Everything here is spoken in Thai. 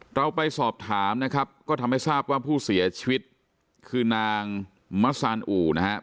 เราไปสอบถามนะครับก็ทำให้ทราบว่าผู้เสียชีวิตคือนางมัสซานอู่นะครับ